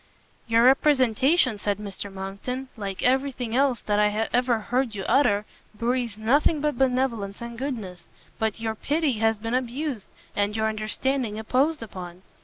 "Your representation," said Mr Monckton, "like every thing else that I ever heard you utter, breathes nothing but benevolence and goodness: but your pity has been abused, and your understanding imposed upon.